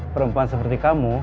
perempuan seperti kamu